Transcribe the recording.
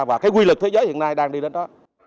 và cái quy lực thế giới hiện nay đang đi đến đó